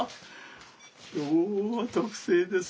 今日は特製です。